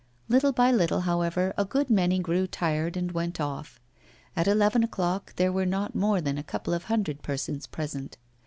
Little by little, however, a good many grew tired and went off. At eleven o'clock there were not more than a couple of hundred persons present.